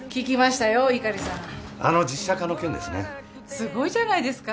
すごいじゃないですか。